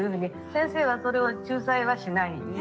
先生はそれを仲裁はしない。